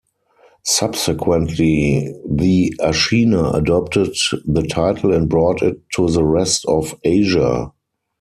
Subsequently the Ashina adopted the title and brought it to the rest of Asia.